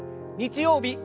日曜日